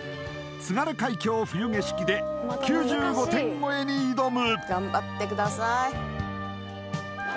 「津軽海峡・冬景色」で９５点超えに挑む！